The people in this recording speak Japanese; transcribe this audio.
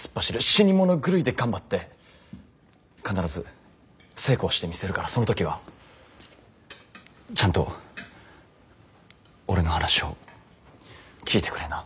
死に物狂いで頑張って必ず成功してみせるからその時はちゃんと俺の話を聞いてくれな。